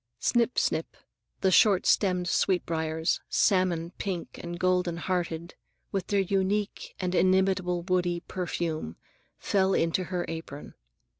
Snip, snip; the short stemmed sweet briars, salmon pink and golden hearted, with their unique and inimitable woody perfume, fell into her apron.